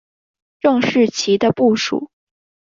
郑士琦的部属。